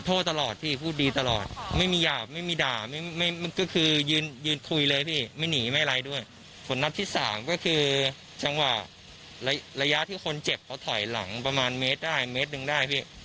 ที่สามก็คือระยะที่คนเจ็บเขาถอยหลังประมาณเมตรหนึ่งได้